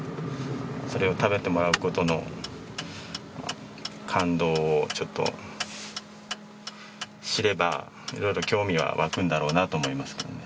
それを食べてもらうことの感動をちょっと知ればいろいろ興味は湧くんだろうなと思いますけどね。